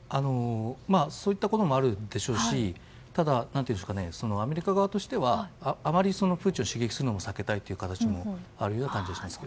そういったこともあるでしょうしただ、アメリカ側としてはあまりプーチンを刺激するのも避けたいという考えもあると思います。